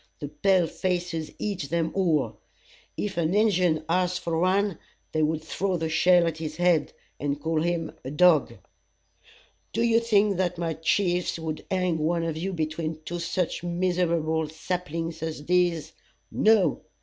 The pale faces eat them all. If an Injun asked for one, they would throw the shell at his head, and call him a dog. "Do you think that my chiefs would hang one of you between two such miserable saplings as these? No!